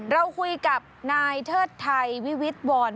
เราคุยกับทเทศไทยวิวิทวร